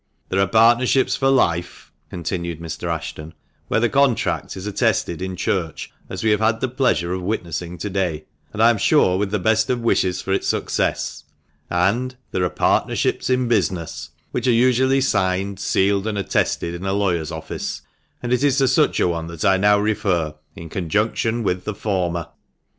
" There are partnerships for life," continued Mr. Ashton, "where the contract is attested in church, as we have had the pleasure of witnessing to day, and, I am sure, with the best of wishes for its success ; and there are partnerships in business, which are usually signed, sealed, and attested in a lawyer's office ; and it is to such a one I now refer, in conjunction with the former."